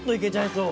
そう。